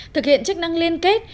thực hiện chức năng liên kết